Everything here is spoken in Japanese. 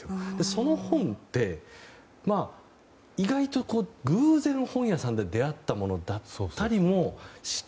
その本って意外と偶然、本屋さんで出会ったものだったりもして。